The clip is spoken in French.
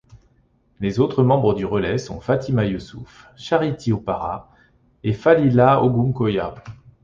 Les autres membres du relais sont Fatima Yusuf, Charity Opara et Falilat Ogunkoya.